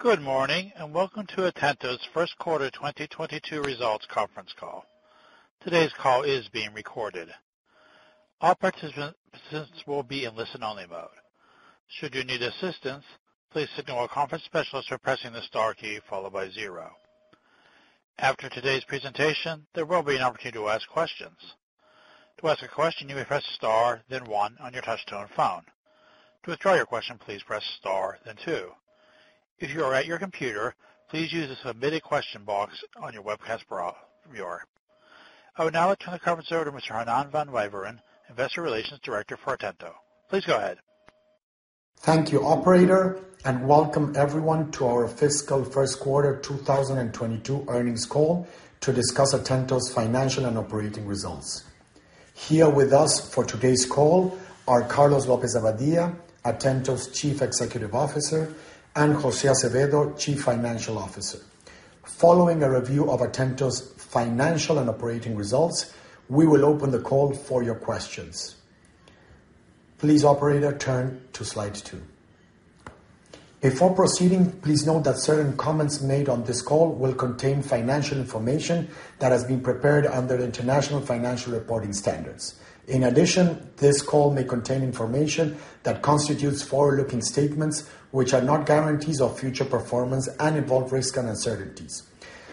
Good morning, and Welcome to Atento's First Quarter 2022 Results Conference Call. Today's call is being recorded. All participants will be in listen-only mode. Should you need assistance, please signal a conference specialist by pressing the star key followed by zero. After today's presentation, there will be an opportunity to ask questions. To ask a question, you may press star, then one on your touch-tone phone. To withdraw your question, please press star, then two. If you are at your computer, please use the submitted question box on your webcast browser. I will now turn the conference over to Mr. Hernan van Waveren, Investor Relations Director for Atento. Please go ahead. Thank you, operator, and welcome everyone to our fiscal first quarter 2022 earnings call to discuss Atento's financial and operating results. Here with us for today's call are Carlos López-Abadía, Atento's Chief Executive Officer, and José Azevedo, Chief Financial Officer. Following a review of Atento's financial and operating results, we will open the call for your questions. Please, operator, turn to slide two. Before proceeding, please note that certain comments made on this call will contain financial information that has been prepared under International Financial Reporting Standards. In addition, this call may contain information that constitutes forward-looking statements, which are not guarantees of future performance and involve risks and uncertainties.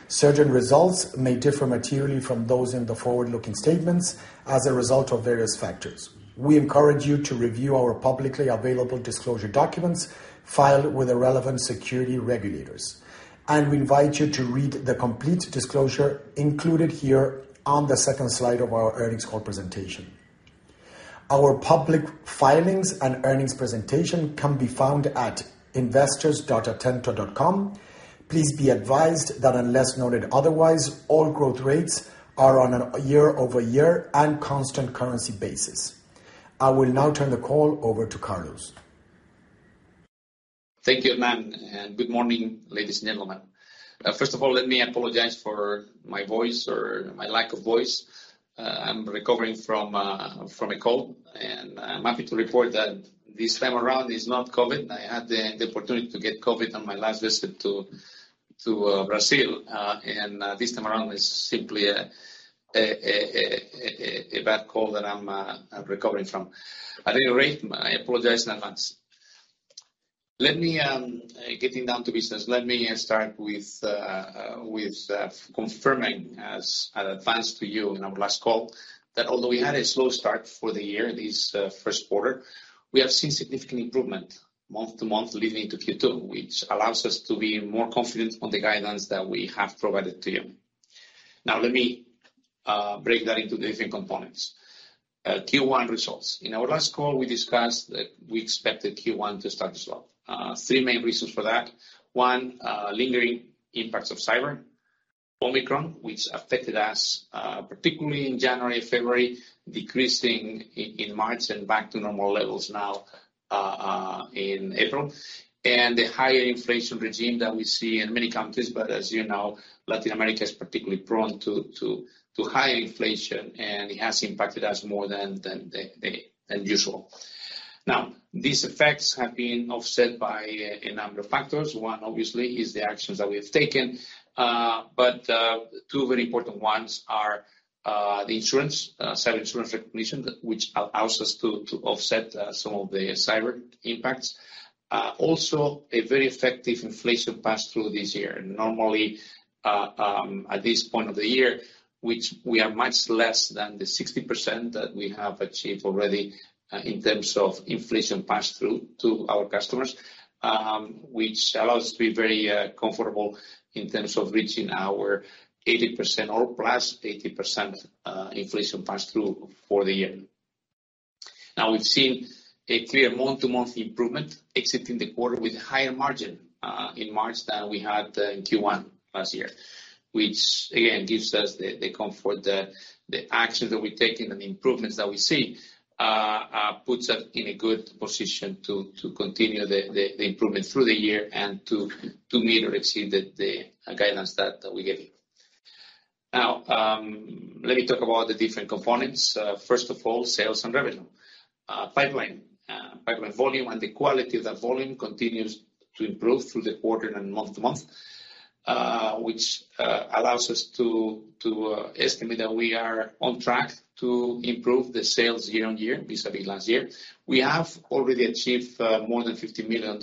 Certain results may differ materially from those in the forward-looking statements as a result of various factors. We encourage you to review our publicly available disclosure documents filed with the relevant security regulators. We invite you to read the complete disclosure included here on the second slide of our earnings call presentation. Our public filings and earnings presentation can be found at investors.atento.com. Please be advised that unless noted otherwise, all growth rates are on a year-over-year and constant currency basis. I will now turn the call over to Carlos. Thank you, Hernan, and good morning, ladies and gentlemen. First of all, let me apologize for my voice or my lack of voice. I'm recovering from a cold, and I'm happy to report that this time around it's not COVID. I had the opportunity to get COVID on my last visit to Brazil. This time around it's simply a bad cold that I'm recovering from. At any rate, I apologize in advance. Let me start with confirming as I'd advanced to you in our last call, that although we had a slow start for the year, this first quarter, we have seen significant improvement month-to-month leading into Q2, which allows us to be more confident on the guidance that we have provided to you. Now, let me break that into different components. Q1 results. In our last call, we discussed that we expected Q1 to start slow. Three main reasons for that. One, lingering impacts of Cyber, Omicron, which affected us particularly in January, February, decreasing in March and back to normal levels now in April. The higher inflation regime that we see in many countries, but as you know, Latin America is particularly prone to higher inflation, and it has impacted us more than usual. Now, these effects have been offset by a number of factors. One, obviously, is the actions that we have taken. Two very important ones are the insurance, cyber insurance recognition, which allows us to offset some of the cyber impacts. Also a very effective inflation pass-through this year. Normally, at this point of the year, which we are much less than the 60% that we have achieved already, in terms of inflation pass-through to our customers, which allows us to be very comfortable in terms of reaching our 80% or +80%, inflation pass-through for the year. Now, we've seen a clear month-to-month improvement exiting the quarter with higher margin in March than we had in Q1 last year, which again gives us the comfort that the actions that we're taking and the improvements that we see puts us in a good position to continue the improvement through the year and to meet or exceed the guidance that we gave you. Now, let me talk about the different components. First of all, sales and revenue. Pipeline. Pipeline volume and the quality of that volume continues to improve through the quarter and month-to-month, which allows us to estimate that we are on track to improve sales year-on-year, vis-à-vis last year. We have already achieved more than $50 million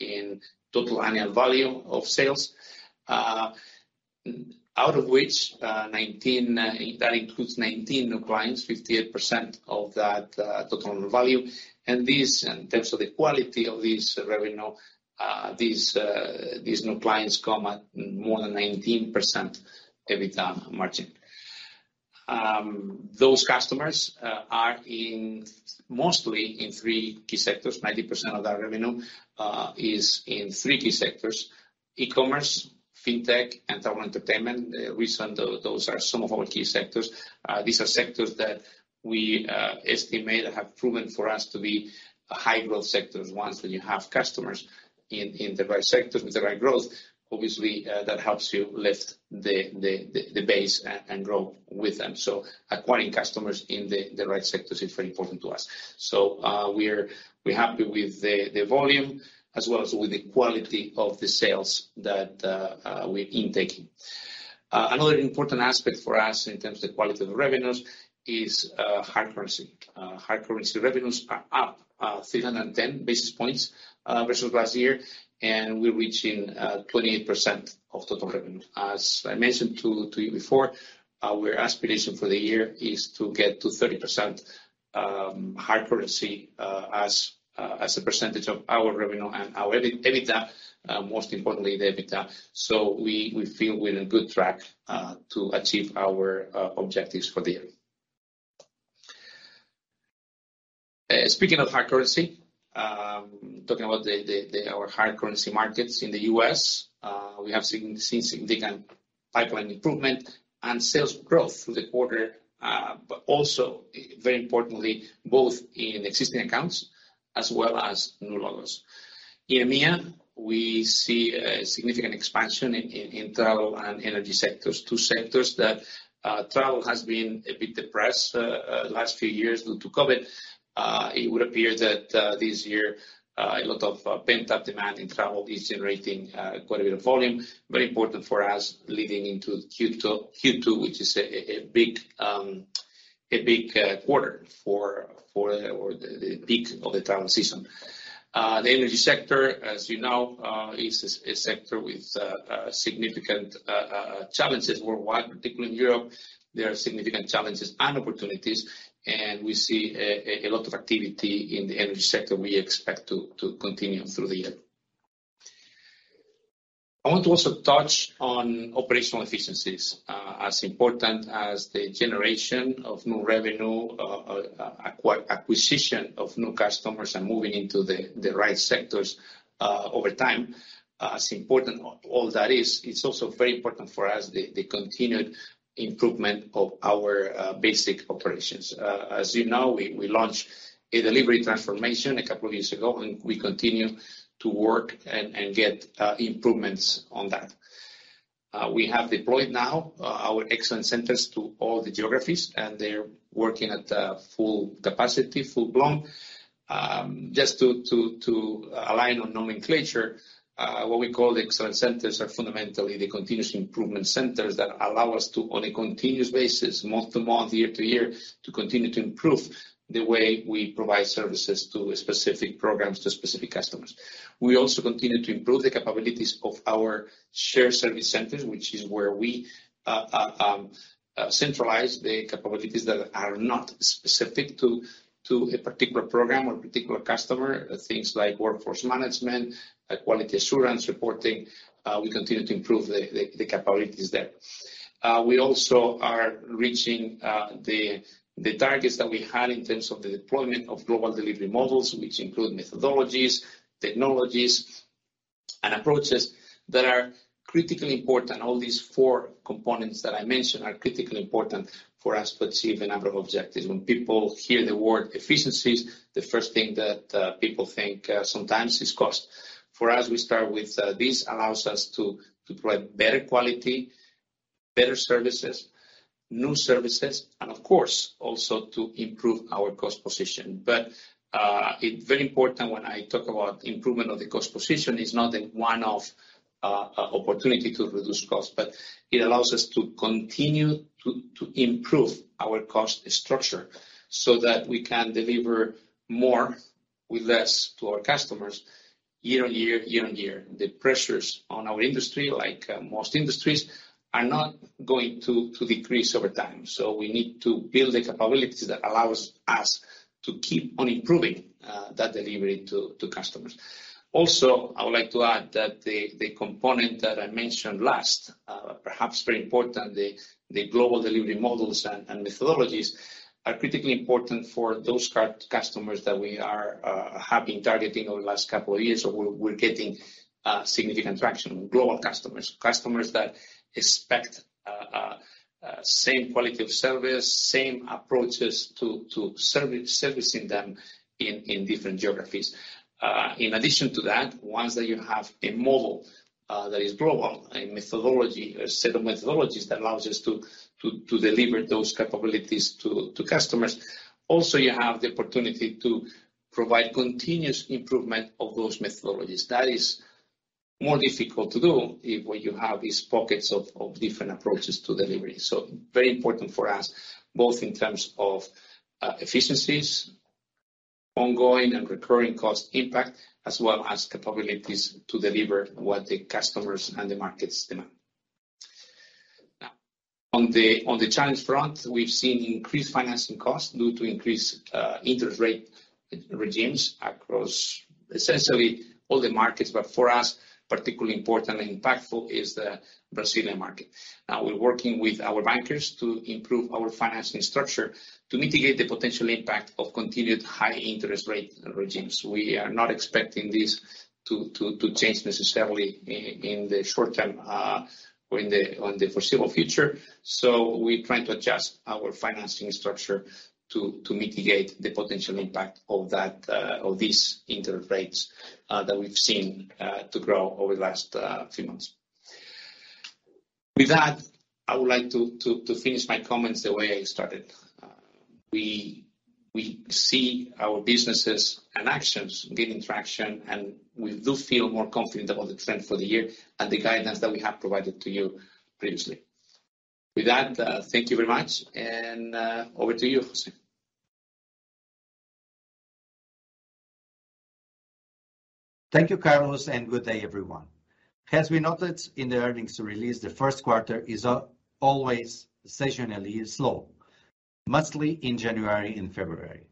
in total annual volume of sales, out of which that includes 19 new clients, 58% of that total value. This, in terms of the quality of this revenue, these new clients come at more than 19% EBITDA margin. Those customers are mostly in three key sectors. 90% of that revenue is in three key sectors, E-commerce, Fintech, and Travel & Entertainment. Recently, those are some of our key sectors. These are sectors that we estimate have proven for us to be high-growth sectors especially when you have customers in the right sectors with the right growth. Obviously, that helps you lift the base and grow with them. Acquiring customers in the right sectors is very important to us. We're happy with the volume as well as with the quality of the sales that we're intaking. Another important aspect for us in terms of quality of revenues is hard currency. Hard Currency Revenues are up 310 basis points versus last year, and we're reaching 28% of total revenue. As I mentioned to you before, our aspiration for the year is to get to 30% hard currency as a percentage of our revenue and our EBITDA, most importantly, the EBITDA. We feel we're on good track to achieve our objectives for the year. Speaking of hard currency, talking about our hard currency markets in the U.S, we have seen significant pipeline improvement and sales growth through the quarter, but also very importantly, both in existing accounts as well as new logos. In EMEA, we see a significant expansion in travel and energy sectors. Two sectors that travel has been a bit depressed last few years due to COVID. It would appear that this year, a lot of pent-up demand in travel is generating quite a bit of volume. Very important for us leading into Q2, which is a big quarter for the peak of the travel season. The energy sector, as you know, is a sector with significant challenges worldwide, particularly in Europe. There are significant challenges and opportunities, and we see a lot of activity in the energy sector we expect to continue through the year. I want to also touch on operational efficiencies. As important as the generation of new revenue, acquisition of new customers and moving into the right sectors, over time, as important all that is, it's also very important for us, the continued improvement of our basic operations. As you know, we launched a delivery transformation a couple of years ago, and we continue to work and get improvements on that. We have deployed now our excellence centers to all the geographies, and they're working at full capacity, full-blown. Just to align on nomenclature, what we call the excellence centers are fundamentally the continuous improvement centers that allow us to, on a continuous basis, month to month, year to year, to continue to improve the way we provide services to specific programs, to specific customers. We also continue to improve the capabilities of our shared service centers, which is where we centralize the capabilities that are not specific to a particular program or particular customer. Things like workforce management, quality assurance reporting. We continue to improve the capabilities there. We also are reaching the targets that we had in terms of the deployment of global delivery models, which include methodologies, technologies, and approaches that are critically important. All these four components that I mentioned are critically important for us to achieve a number of objectives. When people hear the word efficiencies, the first thing that people think sometimes is cost. For us, we start with this allows us to provide better quality, better services, new services, and of course, also to improve our cost position. It's very important when I talk about improvement of the cost position. It's not a one-off opportunity to reduce cost, but it allows us to continue to improve our cost structure so that we can deliver more with less to our customers year on year. The pressures on our industry, like most industries, are not going to decrease over time, so we need to build the capabilities that allows us to keep on improving that delivery to customers. Also, I would like to add that the component that I mentioned last, perhaps very important, the global delivery models and methodologies, are critically important for those customers that we are have been targeting over the last couple of years. We're getting significant traction with global customers. Customers that expect same quality of service, same approaches to servicing them in different geographies. In addition to that, once that you have a model that is global, a methodology, a set of methodologies that allows us to deliver those capabilities to customers, also, you have the opportunity to provide continuous improvement of those methodologies. That is more difficult to do if what you have is pockets of different approaches to delivery. Very important for us, both in terms of efficiencies, ongoing and recurring cost impact, as well as capabilities to deliver what the customers and the markets demand. Now, on the challenge front, we've seen increased financing costs due to increased interest rate regimes across essentially all the markets, but for us, particularly important and impactful is the Brazilian market. Now we're working with our bankers to improve our financing structure to mitigate the potential impact of continued high interest rate regimes. We are not expecting this to change necessarily in the short term or in the foreseeable future. We're trying to adjust our financing structure to mitigate the potential impact of that of these interest rates that we've seen to grow over the last few months. With that, I would like to finish my comments the way I started. We see our businesses and actions gaining traction, and we do feel more confident about the trend for the year and the guidance that we have provided to you previously. With that, thank you very much and over to you, José. Thank you, Carlos, and good day everyone. As we noted in the earnings release, the first quarter is always seasonally slow, mostly in January and February.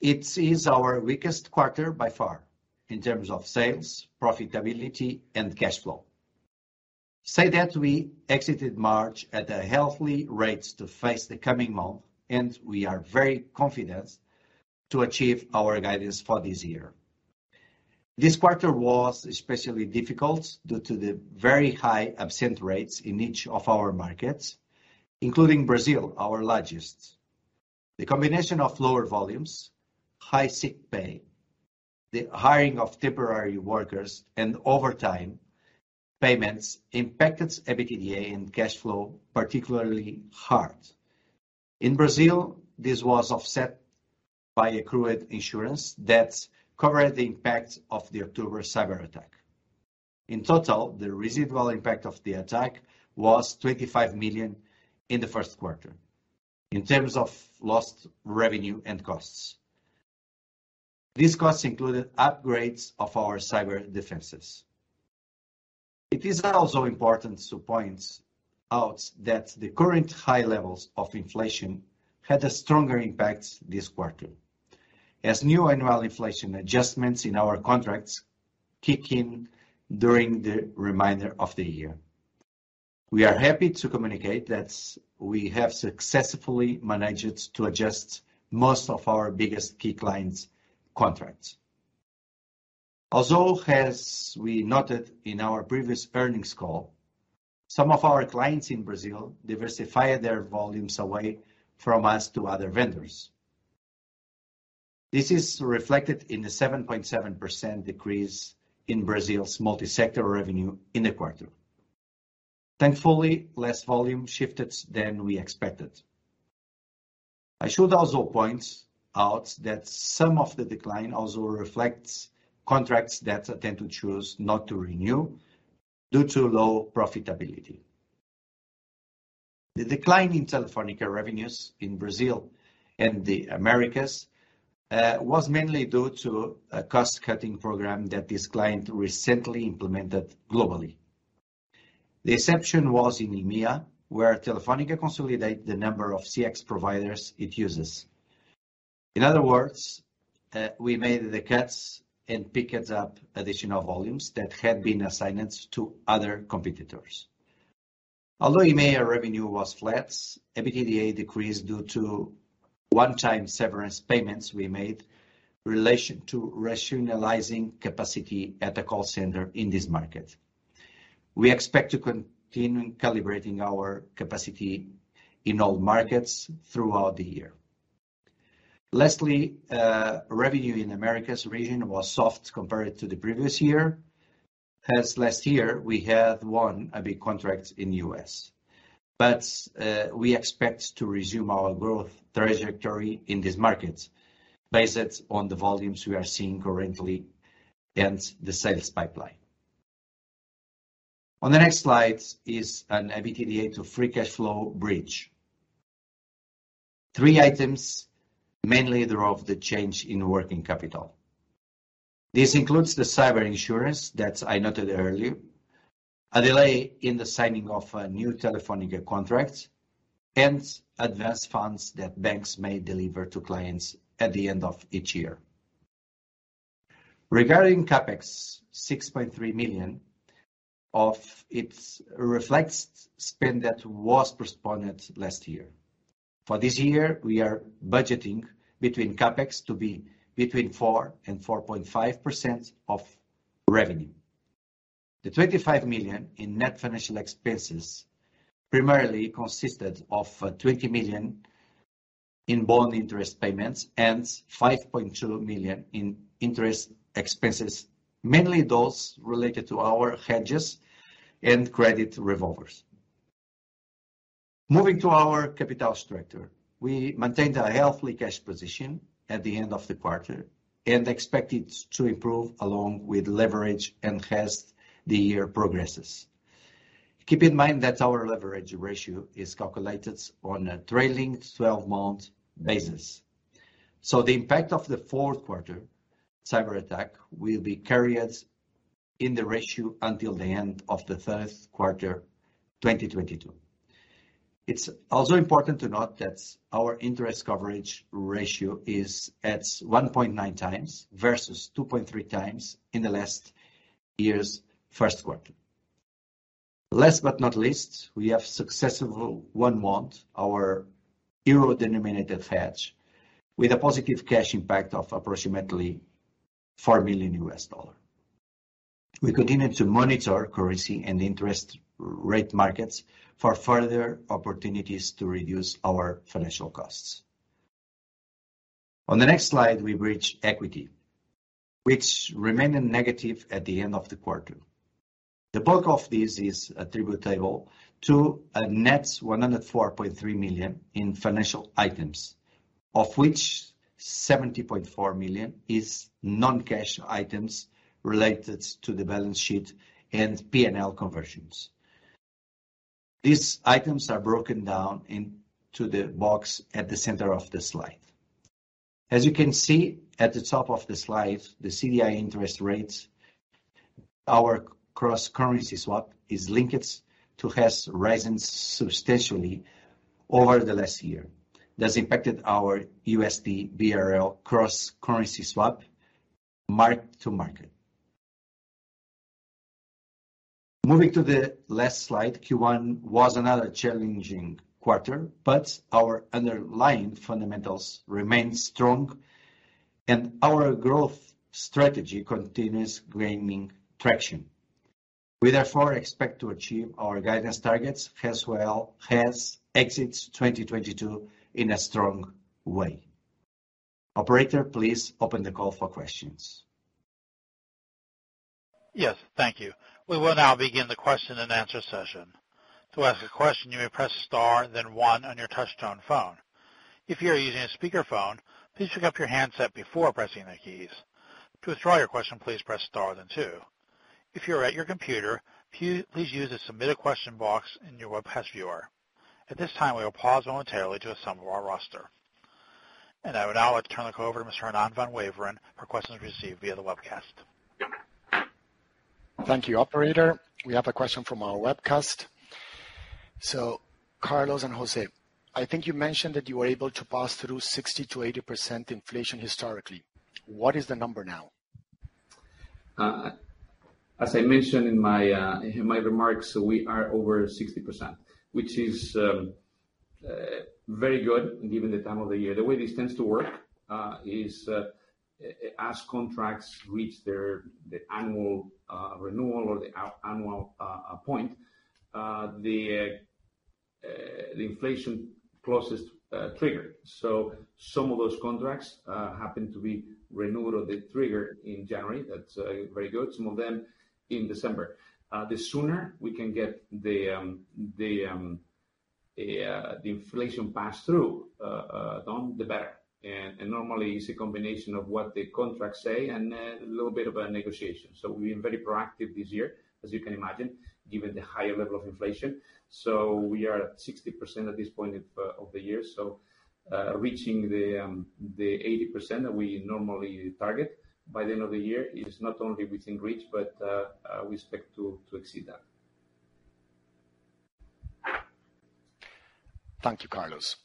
It is our weakest quarter by far in terms of sales, profitability, and cash flow. That said, we exited March at a healthy rate to face the coming month, and we are very confident to achieve our guidance for this year. This quarter was especially difficult due to the very high absence rates in each of our markets, including Brazil, our largest. The combination of lower volumes, high sick pay, the hiring of temporary workers, and overtime payments impacted EBITDA and cash flow particularly hard. In Brazil, this was offset by accrued insurance that covered the impact of the October cyberattack. In total, the residual impact of the attack was $25 million in the first quarter in terms of lost revenue and costs. These costs included upgrades of our cyber defenses. It is also important to point out that the current high levels of inflation had a stronger impact this quarter as new annual inflation adjustments in our contracts kick in during the remainder of the year. We are happy to communicate that we have successfully managed to adjust most of our biggest key clients' contracts. Also, as we noted in our previous earnings call, some of our clients in Brazil diversified their volumes away from us to other vendors. This is reflected in the 7.7% decrease in Brazil's Multisector revenue in the quarter. Thankfully, less volume shifted than we expected. I should also point out that some of the decline also reflects contracts that Atento chose not to renew due to low profitability. The decline in Telefónica revenues in Brazil and the Americas was mainly due to a cost-cutting program that this client recently implemented globally. The exception was in EMEA, where Telefónica consolidated the number of CX providers it uses. In other words, we made the cuts and picked up additional volumes that had been assigned to other competitors. Although EMEA revenue was flat, EBITDA decreased due to one-time severance payments we made in relation to rationalizing capacity at a call center in this market. We expect to continue calibrating our capacity in all markets throughout the year. Lastly, revenue in Americas region was soft compared to the previous year, as last year we had won a big contract in U.S. We expect to resume our growth trajectory in this market based on the volumes we are seeing currently and the sales pipeline. On the next slide is an EBITDA to free cash flow bridge. Three items, mainly they're of the change in working capital. This includes the cyber insurance that I noted earlier, a delay in the signing of a new Telefónica contract, and advance funds that banks may deliver to clients at the end of each year. Regarding CapEx, $6.3 million of it reflects spend that was postponed last year. For this year, we are budgeting CapEx to be between 4%-4.5% of revenue. The $25 million in net financial expenses primarily consisted of $20 million in bond interest payments and $5.2 million in interest expenses, mainly those related to our hedges and credit revolvers. Moving to our capital structure, we maintained a healthy cash position at the end of the quarter and expect it to improve along with leverage as the year progresses. Keep in mind that our leverage ratio is calculated on a trailing 12-month basis. The impact of the fourth quarter cyberattack will be carried in the ratio until the end of the third quarter 2022. It's also important to note that our interest coverage ratio is at 1.9x versus 2.3x in the last year's first quarter. Last but not least, we have successfully one month, our euro-denominated hedge with a positive cash impact of approximately $4 million. We continue to monitor currency and interest rate markets for further opportunities to reduce our financial costs. On the next slide, we reach equity, which remained negative at the end of the quarter. The bulk of this is attributable to a net $104.3 million in financial items, of which $70.4 million is non-cash items related to the balance sheet and P&L conversions. These items are broken down into the box at the center of the slide. As you can see at the top of the slide, the CDI interest rates our cross-currency swap is linked to has risen substantially over the last year. That's impacted our USD-BRL cross-currency swap mark-to-market. Moving to the last slide, Q1 was another challenging quarter, but our underlying fundamentals remain strong, and our growth strategy continues gaining traction. We therefore expect to achieve our guidance targets as well as exit 2022 in a strong way. Operator, please open the call for questions. Yes, thank you. We will now begin the question-and-answer session. To ask a question, you may press star then one on your touchtone phone. If you are using a speakerphone, please pick up your handset before pressing the keys. To withdraw your question, please press star then two. If you're at your computer, please use the Submit a Question box in your webcast viewer. At this time, we will pause momentarily to assemble our roster. I would now like to turn the call over to Mr. Hernan van Waveren for questions received via the webcast. Thank you, operator. We have a question from our webcast. Carlos and José, I think you mentioned that you were able to pass through 60%-80% inflation historically. What is the number now? As I mentioned in my remarks, we are over 60%, which is very good given the time of the year. The way this tends to work is as contracts reach their annual renewal or the annual point, the inflation clauses trigger. Some of those contracts happen to be renewed or they trigger in January. That's very good. Some of them in December. The sooner we can get the inflation passed through, done, the better. Normally it's a combination of what the contracts say and a little bit of a negotiation. We've been very proactive this year, as you can imagine, given the higher level of inflation. We are at 60% at this point of the year. Reaching the 80% that we normally target by the end of the year is not only within reach, but we expect to exceed that. Thank you, Carlos.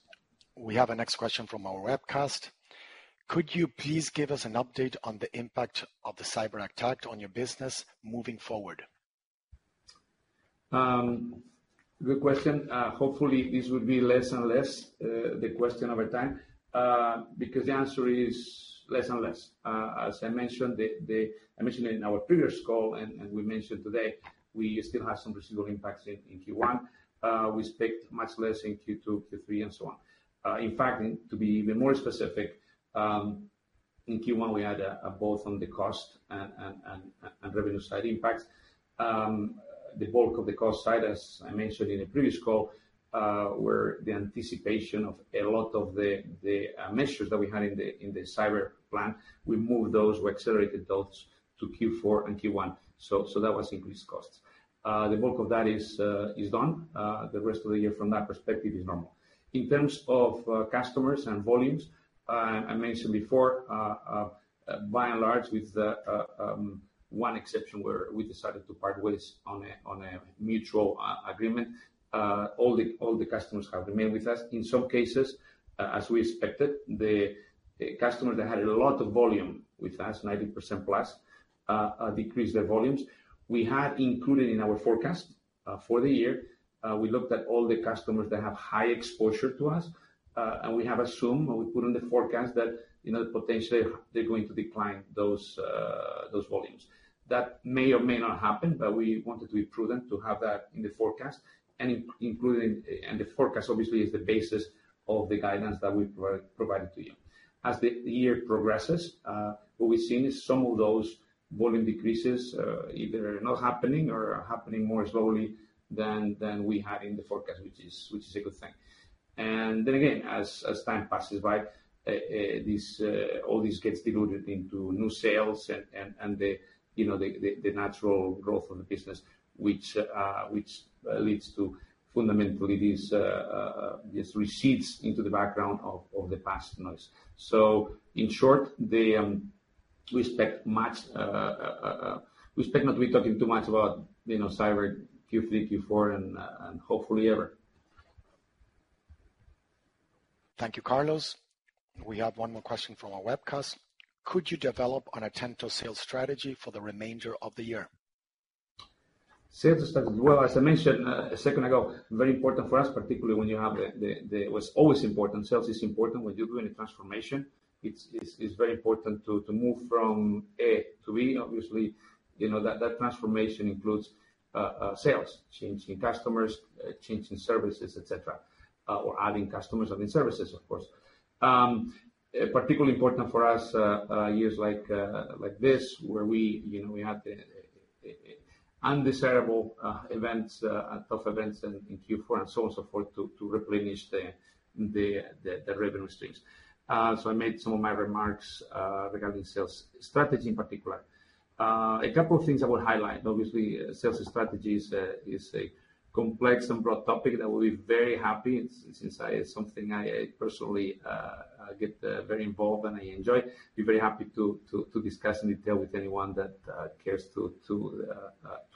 We have our next question from our webcast. Could you please give us an update on the impact of the cyberattack on your business moving forward? Good question. Hopefully this will be less and less the question over time, because the answer is less and less. As I mentioned, I mentioned it in our previous call, and we mentioned today. We still have some residual impacts in Q1. We expect much less in Q2, Q3, and so on. In fact, and to be even more specific, in Q1, we had both on the cost and revenue side impacts. The bulk of the cost side, as I mentioned in the previous call, were the anticipation of a lot of the measures that we had in the cyber plan. We moved those. We accelerated those to Q4 and Q1. That was increased costs. The bulk of that is done. The rest of the year from that perspective is normal. In terms of customers and volumes, I mentioned before, by and large, with one exception where we decided to part ways on a mutual agreement, all the customers have remained with us. In some cases, as we expected, the customers that had a lot of volume with us, 90%+, decreased their volumes. We had included in our forecast for the year. We looked at all the customers that have high exposure to us, and we have assumed or we put in the forecast that, you know, potentially they're going to decline those volumes. That may or may not happen, but we wanted to be prudent to have that in the forecast. The forecast obviously is the basis of the guidance that we provided to you. As the year progresses, what we've seen is some of those volume decreases either are not happening or are happening more slowly than we had in the forecast, which is a good thing. Then again, as time passes by, all this gets diluted into new sales and, you know, the natural growth of the business, which leads to fundamentally this recedes into the background of the past noise. In short, we expect not to be talking too much about, you know, cyber Q3, Q4 and hopefully ever. Thank you, Carlos. We have one more question from our webcast. Could you develop on Atento's sales strategy for the remainder of the year? Sales strategy. Well, as I mentioned a second ago, very important for us, particularly when you have the. It was always important. Sales is important when you're doing a transformation. It's very important to move from A to B. Obviously, you know, that transformation includes sales, changing customers, changing services, et cetera, or adding customers, adding services of course. Particularly important for us, years like this where we, you know, we had the undesirable events, tough events in Q4 and so on, so forth to replenish the revenue streams. I made some of my remarks regarding sales strategy in particular. A couple of things I will highlight. Obviously, sales strategy is a complex and broad topic that we'll be very happy to discuss in detail with anyone that cares to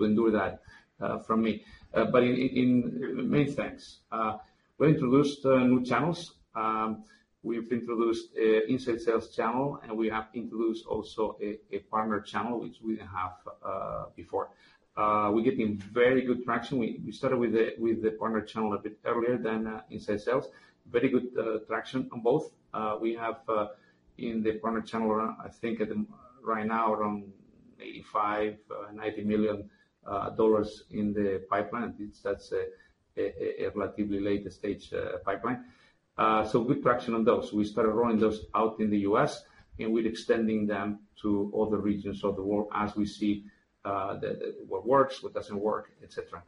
endure that from me. It's something I personally get very involved and I enjoy. In main things, we introduced new channels. We've introduced an inside sales channel, and we have introduced also a partner channel, which we didn't have before. We're getting very good traction. We started with the partner channel a bit earlier than inside sales. Very good traction on both. We have in the partner channel around, I think right now around $85 million-$90 million in the pipeline. That's a relatively later stage pipeline. Good traction on those. We started rolling those out in the U.S., and we're extending them to other regions of the world as we see what works, what doesn't work, et cetera.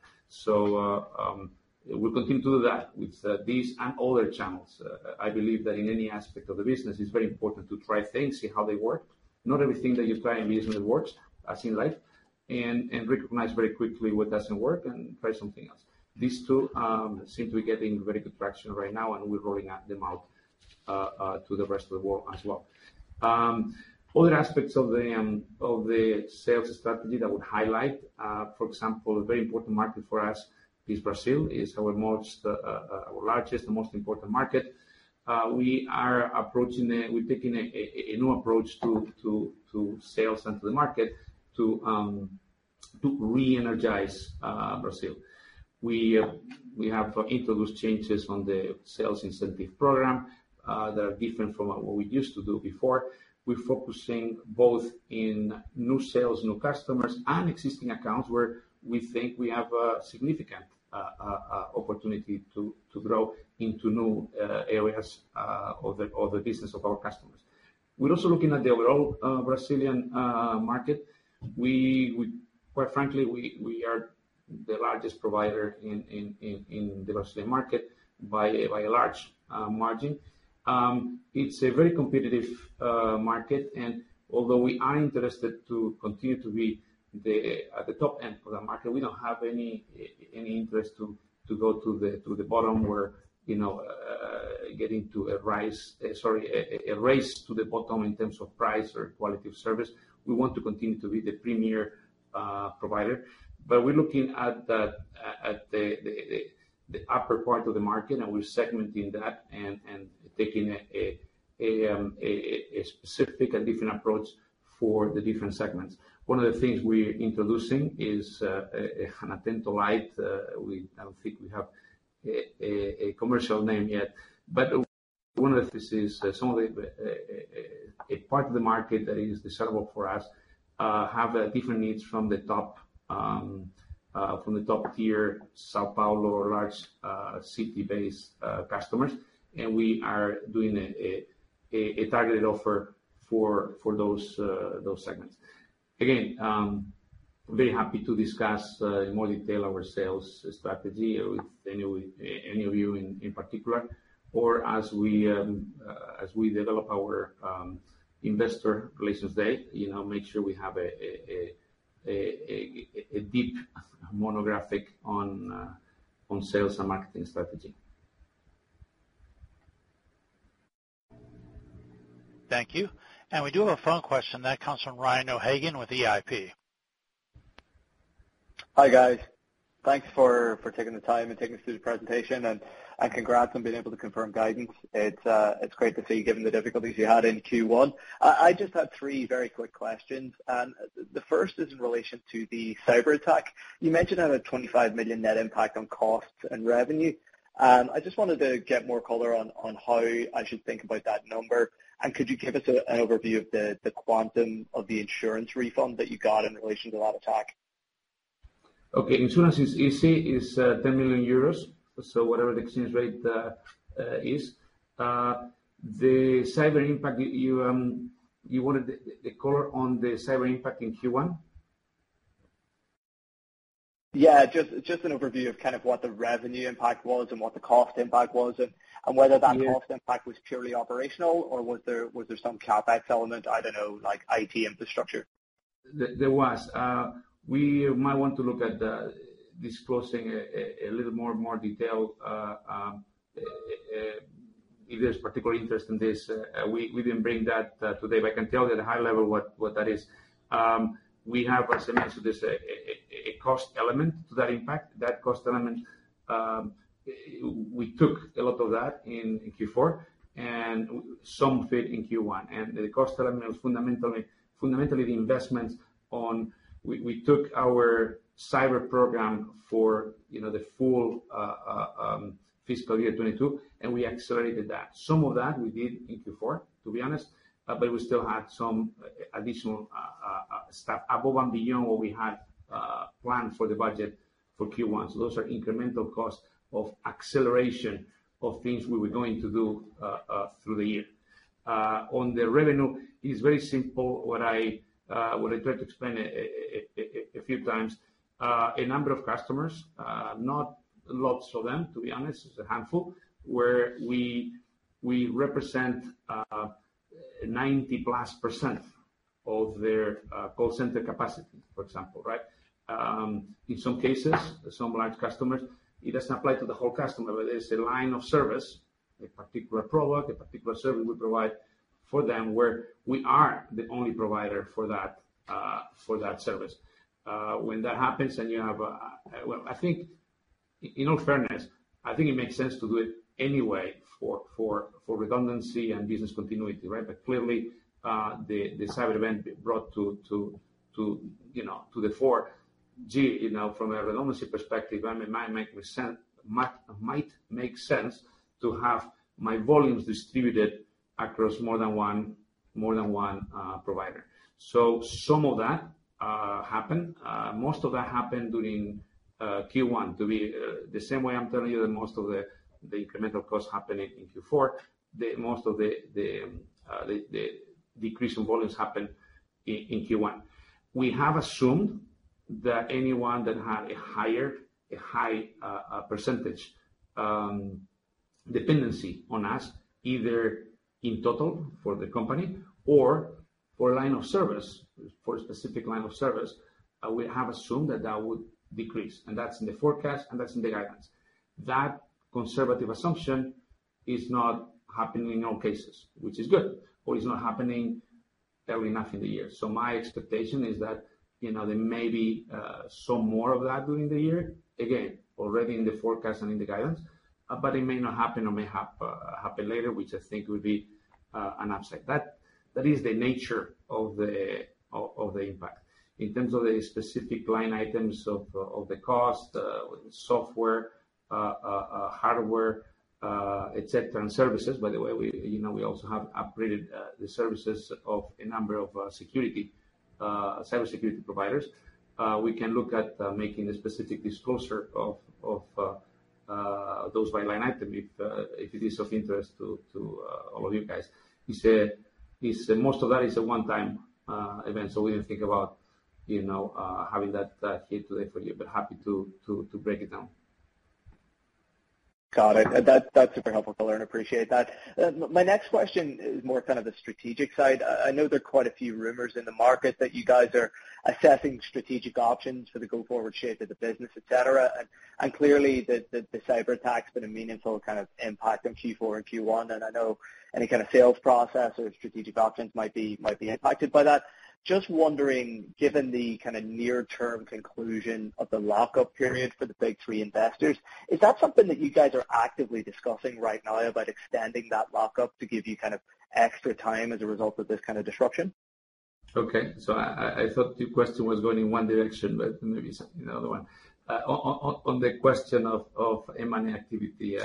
We'll continue to do that with these and other channels. I believe that in any aspect of the business, it's very important to try things, see how they work. Not everything that you try immediately works as in life, and recognize very quickly what doesn't work and try something else. These two seem to be getting very good traction right now, and we're rolling them out to the rest of the world as well. Other aspects of the sales strategy that I would highlight, for example, a very important market for us is Brazil, our largest and most important market. We are taking a new approach to sales and to the market to re-energize Brazil. We have introduced changes on the sales incentive program that are different from what we used to do before. We're focusing both in new sales, new customers and existing accounts where we think we have a significant opportunity to grow into new areas of the business of our customers. We're also looking at the overall Brazilian market. Quite frankly, we are the largest provider in the Brazilian market by a large margin. It's a very competitive market. Although we are interested to continue to be at the top end of the market, we don't have any interest to go to the bottom where, you know, a race to the bottom in terms of price or quality of service. We want to continue to be the premier provider. We're looking at the upper part of the market, and we're segmenting that and taking a specific and different approach for the different segments. One of the things we're introducing is an Atento Light. I don't think we have a commercial name yet. One of the things is some part of the market that is desirable for us have different needs from the top-tier São Paulo large city-based customers. We are doing a targeted offer for those segments. Again, very happy to discuss in more detail our sales strategy with any of you in particular, or as we develop our investor relations day, you know, make sure we have a deep monograph on sales and marketing strategy. Thank you. We do have a phone question that comes from Ryan O'Hagan with EPIC. Hi, guys. Thanks for taking the time and taking us through the presentation. Congrats on being able to confirm guidance. It's great to see you given the difficulties you had in Q1. I just had three very quick questions. The first is in relation to the cyberattack. You mentioned a $25 million net impact on costs and revenue. I just wanted to get more color on how I should think about that number. Could you give us an overview of the quantum of the insurance refund that you got in relation to that attack? Okay. Insurance is easy, 10 million euros. Whatever the exchange rate is. The cyber impact you wanted the color on the cyber impact in Q1? Yeah. Just an overview of kind of what the revenue impact was and what the cost impact was and whether that- Yeah. Cost impact was purely operational or was there some CapEx element, I don't know, like IT infrastructure? We might want to look at disclosing a little more detail if there's particular interest in this. We didn't bring that today, but I can tell you at a high level what that is. We have, as I mentioned, this a cost element to that impact. That cost element, we took a lot of that in Q4 and some left in Q1. The cost element was fundamentally the investments on. We took our cyber program for, you know, the full fiscal year 2022, and we accelerated that. Some of that we did in Q4, to be honest, but we still had some additional stuff above and beyond what we had planned for the budget for Q1. Those are incremental costs of acceleration of things we were going to do through the year. On the revenue, it's very simple. What I tried to explain a few times. A number of customers, not lots of them, to be honest, it's a handful, where we represent 90%+ of their call center capacity, for example, right? In some cases, some large customers, it doesn't apply to the whole customer, but it's a line of service, a particular product, a particular service we provide for them, where we are the only provider for that service. When that happens, then you have a well. I think in all fairness, I think it makes sense to do it anyway for redundancy and business continuity, right? Clearly, the cyber event brought to the fore. You know, from a redundancy perspective, it might make sense to have my volumes distributed across more than one provider. So some of that happened. Most of that happened during Q1. The same way I'm telling you that most of the incremental costs happened in Q4, most of the decrease in volumes happened in Q1. We have assumed that anyone that had a higher percentage dependency on us, either in total for the company or for a line of service, for a specific line of service, we have assumed that that would decrease. That's in the forecast, and that's in the guidance. That conservative assumption is not happening in all cases, which is good. Is not happening early enough in the year. My expectation is that, you know, there may be some more of that during the year, again, already in the forecast and in the guidance, but it may not happen or may happen later, which I think would be an upside. That is the nature of the impact. In terms of the specific line items of the cost, software, hardware, et cetera, and services. By the way, we, you know, we also have upgraded the services of a number of cybersecurity providers. We can look at making a specific disclosure of those by line item if it is of interest to all of you guys. Most of that is a one-time event, so we didn't think about, you know, having that here today for you, but happy to break it down. Got it. That's super helpful, color and appreciate that. My next question is more kind of the strategic side. I know there are quite a few rumors in the market that you guys are assessing strategic options for the go-forward shape of the business, et cetera. Clearly the cyber attack's been a meaningful kind of impact in Q4 and Q1, and I know any kind of sales process or strategic options might be impacted by that. Just wondering, given the kind of near-term conclusion of the lock-up period for the big three investors, is that something that you guys are actively discussing right now about extending that lock-up to give you kind of extra time as a result of this kind of disruption? Okay. I thought the question was going in one direction, but maybe it's another one. On the question of M&A activity,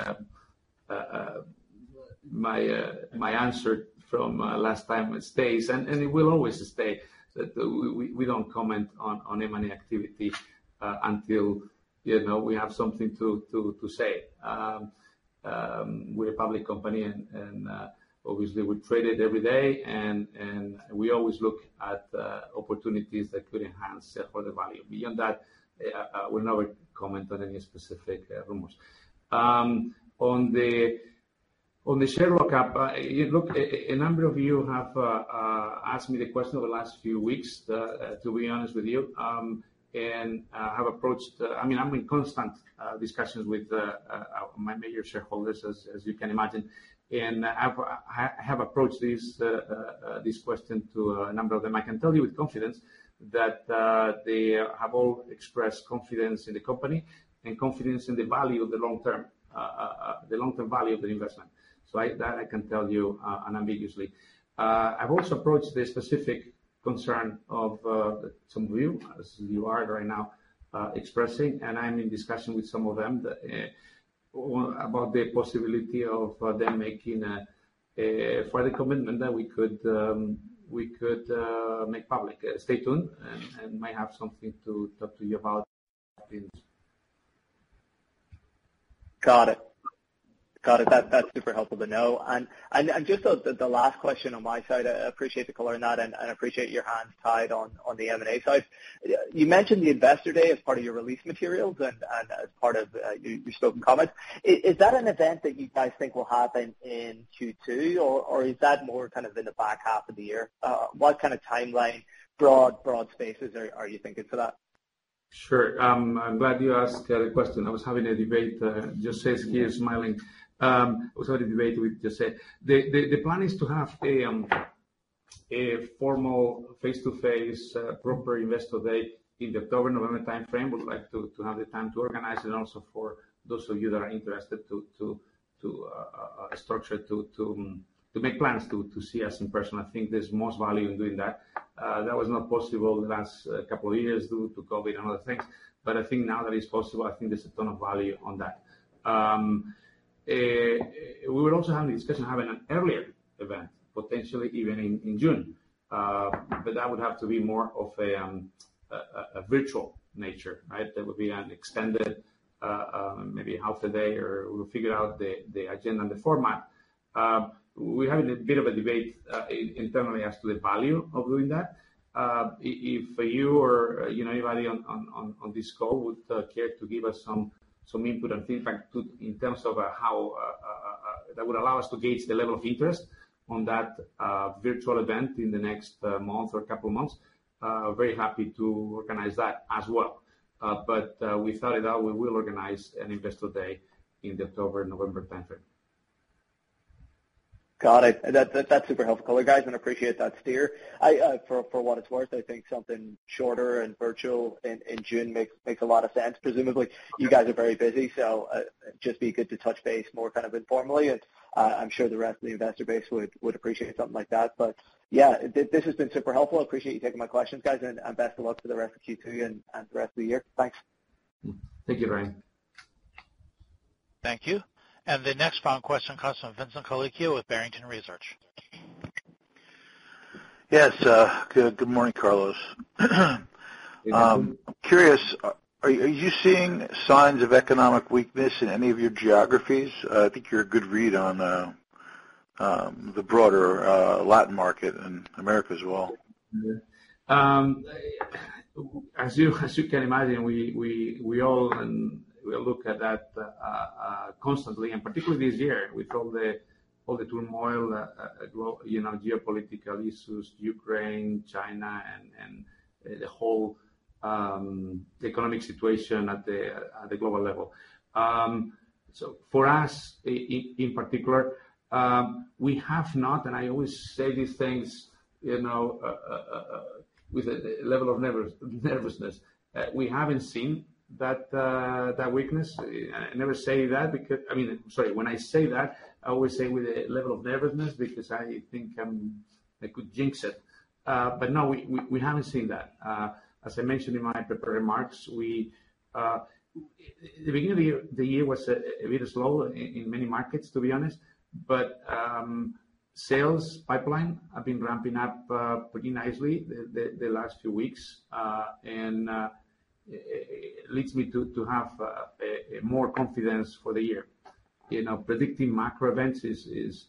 my answer from last time stays, and it will always stay. That we don't comment on M&A activity until you know, we have something to say. We're a public company and obviously we're traded every day and we always look at opportunities that could enhance shareholder value. Beyond that, I will never comment on any specific rumors. On the share lock-up, look, a number of you have asked me the question over the last few weeks, to be honest with you, and I have approached... I mean, I'm in constant discussions with my major shareholders, as you can imagine. I have approached this question to a number of them. I can tell you with confidence that they have all expressed confidence in the company and confidence in the value of the long-term value of the investment. That I can tell you unambiguously. I've also approached the specific concern of some of you, as you are right now expressing, and I'm in discussion with some of them about the possibility of them making a further commitment that we could make public. Stay tuned, and might have something to talk to you about in- Got it. That's super helpful to know. Just the last question on my side. I appreciate the color on that, and appreciate your hands tied on the M&A side. You mentioned the Investor Day as part of your release materials and as part of your spoken comments. Is that an event that you guys think will happen in Q2, or is that more kind of in the back half of the year? What kind of timeline, broad spaces are you thinking for that? Sure. I'm glad you asked the question. I was having a debate. José's here smiling. I was having a debate with José. The plan is to have a formal face-to-face proper Investor Day in the October-November timeframe. We'd like to have the time to organize it also for those of you that are interested to structure to make plans to see us in person. I think there's most value in doing that. That was not possible the last couple of years due to COVID and other things. I think now that it's possible, I think there's a ton of value on that. We were also having a discussion, having an earlier event potentially even in June, but that would have to be more of a virtual nature, right? That would be an extended, maybe half a day, or we'll figure out the agenda and the format. We're having a bit of a debate internally as to the value of doing that. If you or, you know, anybody on this call would care to give us some input and feedback in terms of how that would allow us to gauge the level of interest on that virtual event in the next month or couple months, very happy to organize that as well, but we thought it out. We will organize an investor day in the October-November timeframe. Got it. That's super helpful, guys, and appreciate that steer. For what it's worth, I think something shorter and virtual in June makes a lot of sense. Presumably, you guys are very busy, just be good to touch base more kind of informally, and I'm sure the rest of the investor base would appreciate something like that. Yeah, this has been super helpful. I appreciate you taking my questions, guys, and best of luck for the rest of Q2 and the rest of the year. Thanks. Thank you, Ryan. Thank you. The next final question comes from Vincent Colicchio with Barrington Research. Yes. Good morning, Carlos. Good morning. Curious, are you seeing signs of economic weakness in any of your geographies? I think you're a good read on the broader Latin market and America as well. As you can imagine, we all look at that constantly, and particularly this year with all the turmoil, you know, geopolitical issues, Ukraine, China, and the whole economic situation at the global level. For us in particular, we have not, and I always say these things, you know, with a level of nervousness, we haven't seen that weakness. I never say that because I mean, sorry. When I say that, I always say with a level of nervousness because I think I could jinx it. No, we haven't seen that. As I mentioned in my prepared remarks, the beginning of the year was a bit slow in many markets, to be honest. Sales pipeline have been ramping up pretty nicely the last few weeks. It leads me to have more confidence for the year. You know, predicting macro events is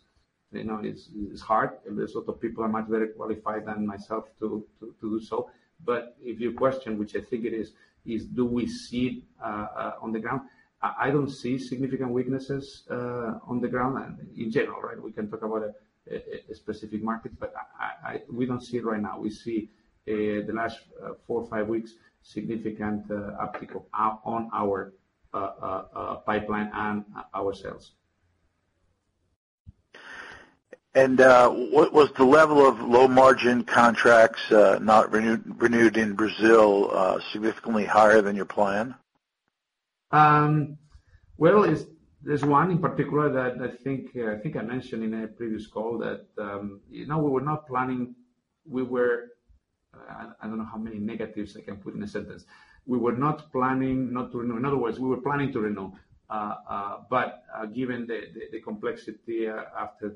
hard. There's a lot of people are much better qualified than myself to do so. If your question, which I think it is do we see on the ground? I don't see significant weaknesses on the ground and in general, right? We can talk about a specific market, but we don't see it right now. We see the last four or five weeks, significant uptick on our pipeline and our sales. What was the level of low margin contracts not renewed in Brazil significantly higher than your plan? Well, there's one in particular that I think I mentioned in a previous call that, you know, we were not planning not to renew. In other words, we were planning to renew. Given the complexity after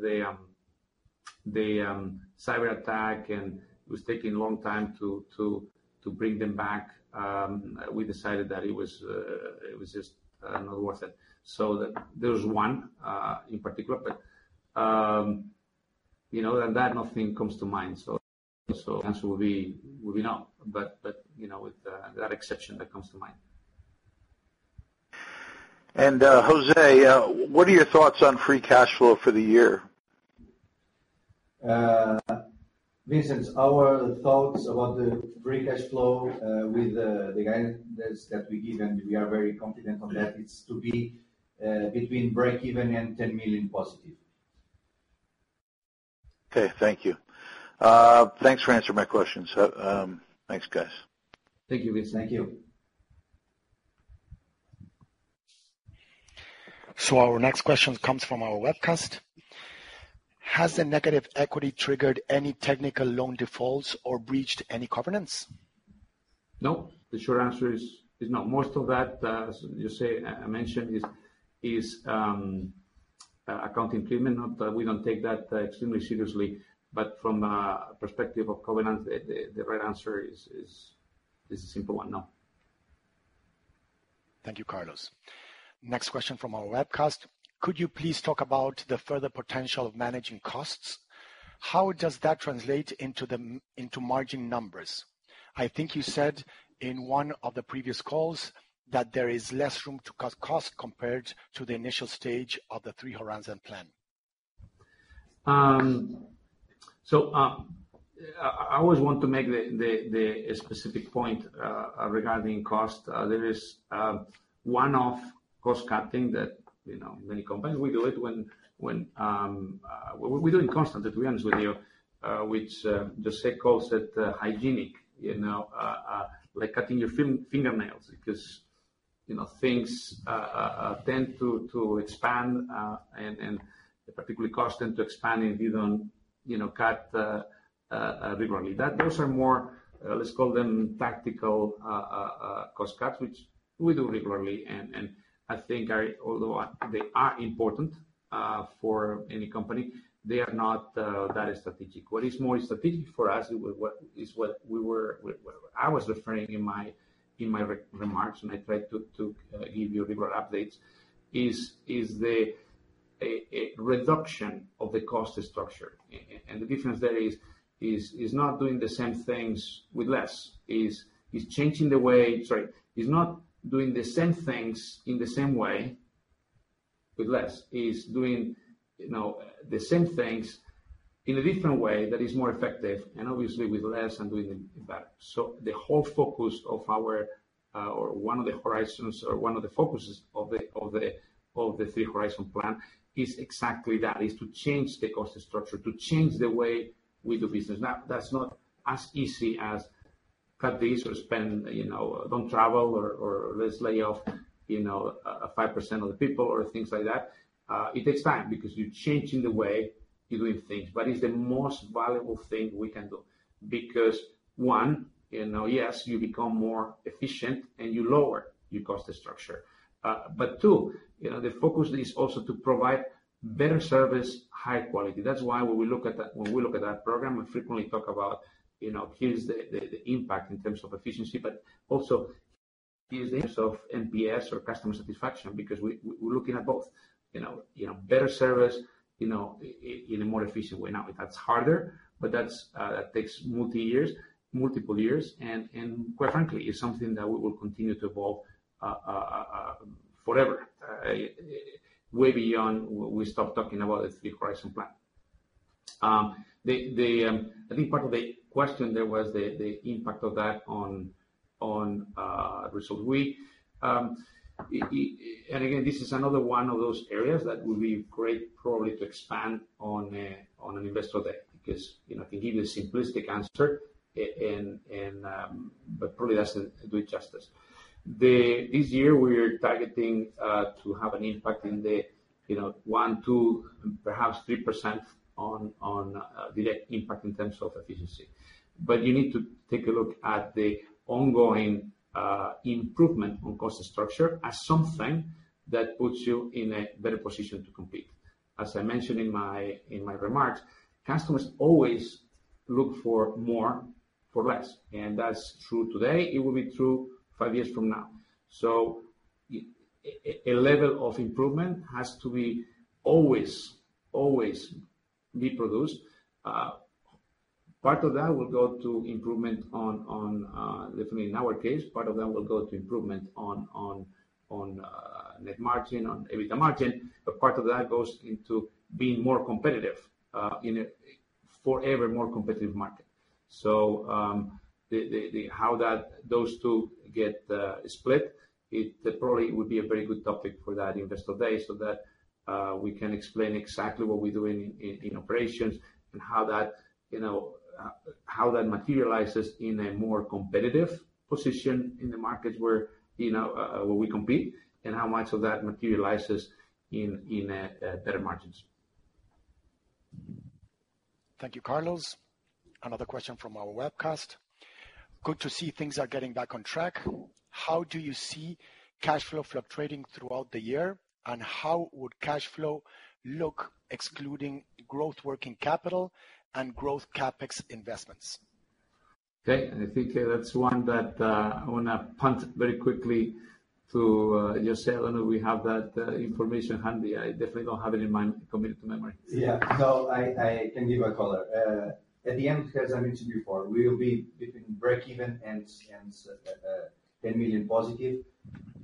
the cyberattack, and it was taking a long time to bring them back, we decided that it was just not worth it. There's one in particular. You know, other than that, nothing comes to mind. Answer will be no. You know, with that exception that comes to mind. José, what are your thoughts on free cash flow for the year? Vincent, our thoughts about the free cash flow with the guidance that we give, and we are very confident on that, is to be between breakeven and $10 million positive. Okay. Thank you. Thanks for answering my questions. Thanks, guys. Thank you, Vincent. Thank you. Our next question comes from our webcast. Has the negative equity triggered any technical loan defaults or breached any covenants? No. The short answer is no. Most of that, as you say, I mentioned, is accounting treatment. Not that we don't take that extremely seriously, but from a perspective of covenants, the right answer is a simple one, no. Thank you, Carlos. Next question from our webcast. Could you please talk about the further potential of managing costs? How does that translate into margin numbers? I think you said in one of the previous calls that there is less room to cut costs compared to the initial stage of the three-horizon plan. I always want to make the specific point regarding cost. There is one-off cost cutting that, you know, many companies we do it when we do it constantly, to be honest with you. Which José calls it hygienic, you know, like cutting your fingernails because, you know, things tend to expand and particularly costs tend to expand if you don't, you know, cut regularly. Those are more, let's call them tactical cost cuts, which we do regularly. I think although they are important for any company, they are not that strategic. What is more strategic for us is what I was referring in my remarks, and I try to give you regular updates, is a reduction of the cost structure. The difference there is not doing the same things with less. Sorry, is not doing the same things in the same way with less. Is doing, you know, the same things in a different way that is more effective and obviously with less and doing it better. The whole focus of our or one of the horizons or one of the focuses of the three-horizon plan is exactly that, is to change the cost structure, to change the way we do business. Now, that's not as easy as cut this or spend, you know, don't travel or let's lay off, you know, 5% of the people or things like that. It takes time because you're changing the way you're doing things, but it's the most valuable thing we can do because, one, you know, yes, you become more efficient and you lower your cost structure. Two, you know, the focus is also to provide better service, high quality. That's why when we look at that, when we look at that program, we frequently talk about, you know, here's the impact in terms of efficiency, but also here's the impact in terms of NPS or customer satisfaction because we're looking at both, you know, you know, better service, you know, in a more efficient way. Now, that's harder, but that's that takes multiple years and quite frankly, it's something that we will continue to evolve forever, way beyond we stop talking about the three-horizon plan. I think part of the question there was the impact of that on results. This is another one of those areas that would be great probably to expand on an Investor Day because, you know, I can give you a simplistic answer and but probably doesn't do it justice. This year we're targeting to have an impact in the, you know, 1%, 2%, perhaps 3% on direct impact in terms of efficiency. You need to take a look at the ongoing improvement on cost structure as something that puts you in a better position to compete. As I mentioned in my remarks, customers always look for more for less, and that's true today. It will be true five years from now. A level of improvement has to be always reproduced. Part of that will go to improvement on definitely in our case, part of that will go to improvement on net margin, on EBITDA margin, but part of that goes into being more competitive in a forever more competitive market. The how that those two get split probably would be a very good topic for that Investor Day, so that we can explain exactly what we're doing in operations and how that, you know, how that materializes in a more competitive position in the markets where, you know, where we compete, and how much of that materializes in better margins. Thank you, Carlos. Another question from our webcast. Good to see things are getting back on track. How do you see cash flow fluctuating throughout the year, and how would cash flow look excluding growth working capital and growth CapEx investments? Okay. I think that's one that, I wanna punt very quickly to, José. I don't know we have that, information handy. I definitely don't have it in my committed to memory. Yeah. No, I can give a color. At the end, as I mentioned before, we will be between breakeven and $10 million positive.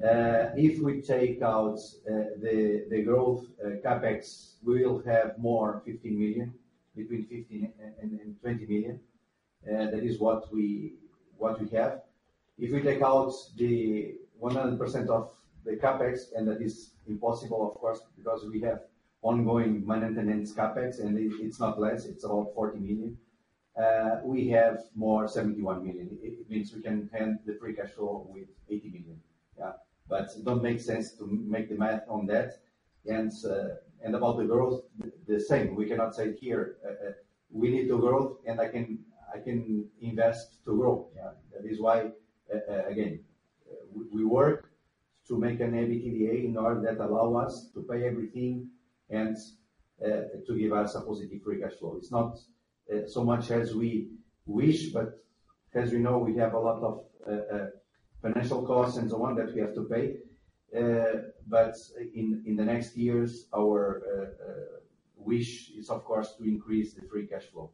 If we take out the growth CapEx, we will have more $15 million, between $15 and $20 million. That is what we have. If we take out the 100% of the CapEx, and that is impossible of course, because we have ongoing maintenance CapEx, and it is not less, it is all $40 million, we have more $71 million. It means we can end the free cash flow with $80 million. Yeah. But it don't make sense to make the math on that. About the growth, the same. We cannot say here, we need to grow, and I can invest to grow. Yeah. That is why again, we work to make an EBITDA in order that allow us to pay everything and to give us a positive free cash flow. It's not so much as we wish, but as you know, we have a lot of financial costs and so on that we have to pay. In the next years, our wish is, of course, to increase the free cash flow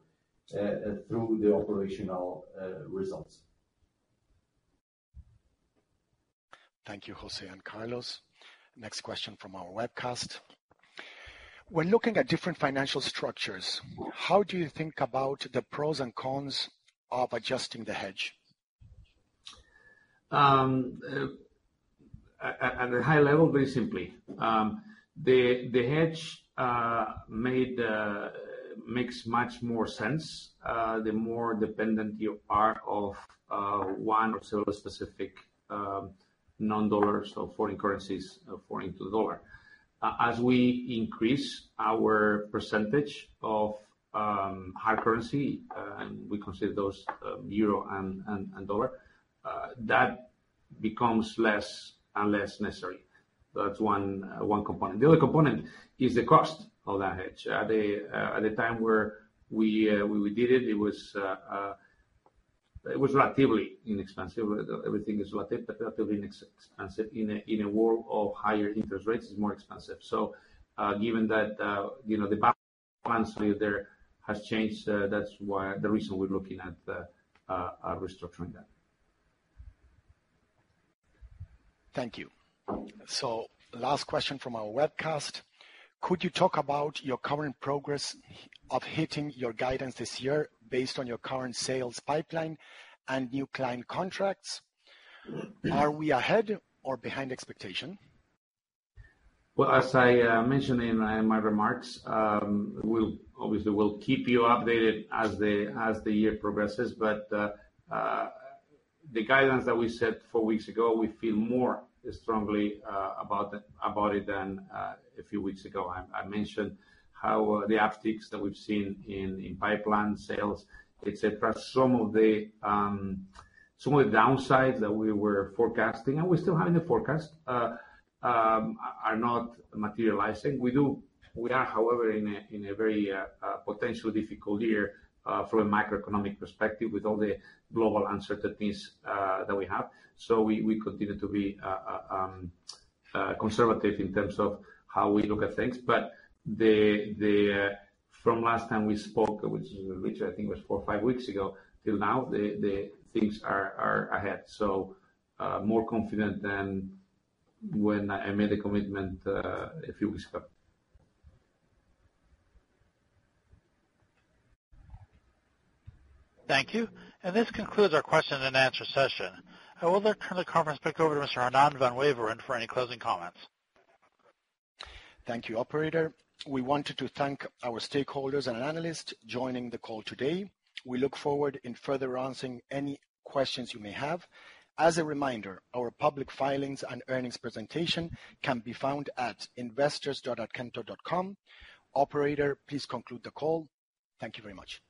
through the operational results. Thank you, José and Carlos. Next question from our webcast: When looking at different financial structures, how do you think about the pros and cons of adjusting the hedge? At a high level, very simply, the hedge makes much more sense the more dependent you are of one or several specific non-dollar, so foreign currencies foreign to the dollar. As we increase our percentage of hard currency, and we consider those euro and dollar, that becomes less and less necessary. That's one component. The other component is the cost of that hedge. At the time where we did it was relatively inexpensive. Everything is relatively inexpensive. In a world of higher interest rates, it's more expensive. Given that, you know, the balance sheet there has changed, that's why the reason we're looking at restructuring that. Thank you. Last question from our webcast: Could you talk about your current progress of hitting your guidance this year based on your current sales pipeline and new client contracts? Are we ahead or behind expectation? Well, as I mentioned in my remarks, we'll obviously keep you updated as the year progresses. The guidance that we set four weeks ago, we feel more strongly about it than a few weeks ago. I mentioned how the upticks that we've seen in pipeline sales, et cetera. Some of the downsides that we were forecasting, and we still have in the forecast, are not materializing. We are, however, in a very potentially difficult year from a macroeconomic perspective with all the global uncertainties that we have. We continue to be conservative in terms of how we look at things. The From last time we spoke, which I think was four or five weeks ago till now, the things are ahead. More confident than when I made a commitment a few weeks ago. Thank you. This concludes our question and answer session. I will now turn the conference back over to Mr. Hernan van Waveren for any closing comments. Thank you, operator. We wanted to thank our stakeholders and analysts joining the call today. We look forward in further answering any questions you may have. As a reminder, our public filings and earnings presentation can be found at investors.atento.com. Operator, please conclude the call. Thank you very much.